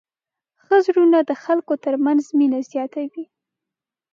ښه زړونه د خلکو تر منځ مینه زیاتوي.